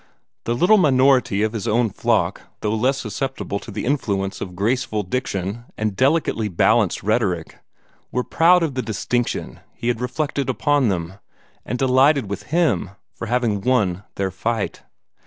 The little minority of his own flock, though less susceptible to the influence of graceful diction and delicately balanced rhetoric, were proud of the distinction he had reflected upon them, and delighted with him for having won their fight.